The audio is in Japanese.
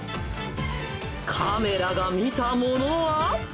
カメラが見たものは。